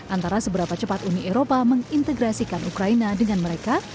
antara seberapa cepat uni eropa mengintegrasikan ukraina dengan mereka